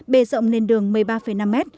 bề rộng lên đường một mươi ba năm m